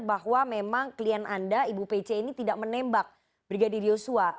bahwa memang klien anda ibu pc ini tidak menembak brigadir yosua